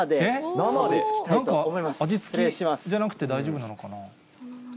なんか味付きじゃなくて大丈夫なのかな。